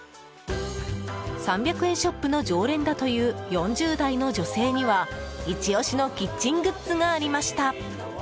３００円ショップの常連だという４０代の女性にはイチ押しのキッチングッズがありました。